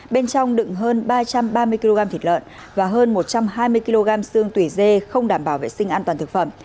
bên trong đựng hơn ba trăm ba mươi kg thịt lợn và hơn một trăm hai mươi kg xương tùy dê không đảm bảo vệ sinh an toàn thực phẩm